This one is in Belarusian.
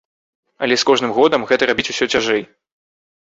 Але з кожным годам гэта рабіць усё цяжэй.